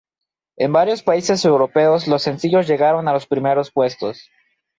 En varios países europeos los sencillos llegaron a los primeros puestos.